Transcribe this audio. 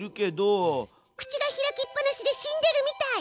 口が開きっぱなしで死んでるみたい！